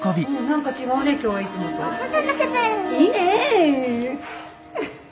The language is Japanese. いいね！